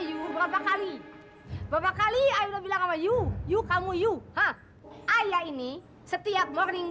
you berapa kali berapa kali ayah bilang sama you you kamu you ha ayah ini setiap morning